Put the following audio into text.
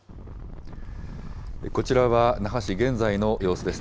こちらは那覇市、現在の様子です。